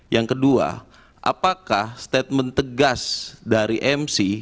yang kedua apakah statement tegas dari mc